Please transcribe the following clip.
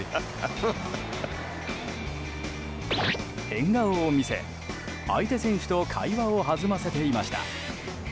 変顔を見せ、相手選手と会話を弾ませていました。